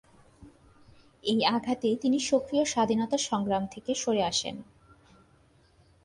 এই আঘাতে তিনি সক্রিয় স্বাধীনতা সংগ্রাম থেকে সরে আসেন।